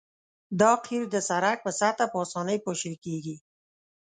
دا قیر د سرک په سطحه په اسانۍ پاشل کیږي